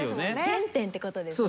原点ってことですね。